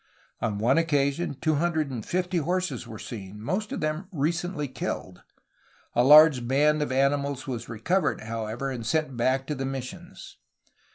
On one occasion two hundred and fifty horses were seen, most of them recently killed. A large band of animals was recovered, however, and sent back to the mis sions.